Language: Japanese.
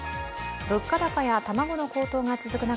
物価高や卵の高騰が続く中